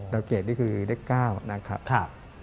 ดาวเกรดที่คือเด็ก๙นะครับ